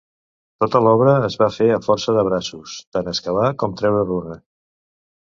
Tota l'obra es va fer a força de braços, tant excavar com treure runa.